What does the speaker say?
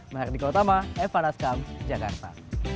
mbak herdiko utama fanaskam jakarta